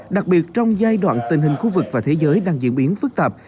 đặc biệt trong giai đoạn tình hình khu vực và thế giới đang diễn biến phức tạp